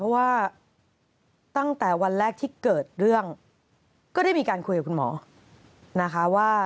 เพราะว่าตั้งแต่วันแรกที่เกิดเรื่องก็ได้มีการคุยกับคุณหมอนะคะว่า